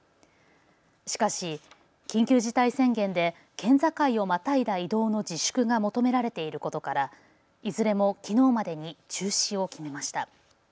しかし緊急事態宣言で県境をまたいだ移動の自粛が求められていることからいずれもきのうまでに中止を決めました。